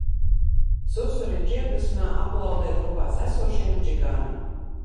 Susuriņš iedvesmā aplaudē drupās esošajam čigānam.